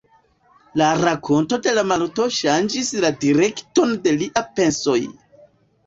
La rakonto de Maluto ŝanĝis la direkton de liaj pensoj.